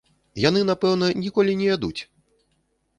Яны, напэўна, ніколі не ядуць!